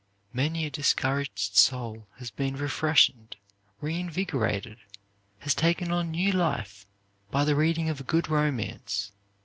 Many a discouraged soul has been refreshened, re invigorated, has taken on new life by the reading of a good romance.